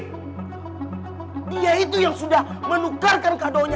dia itu yang sudah menukarkan kadonya